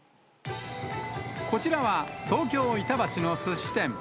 こちらは東京・板橋のすし店。